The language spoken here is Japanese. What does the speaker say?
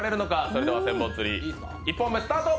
それでは千本つり、１本目スタート。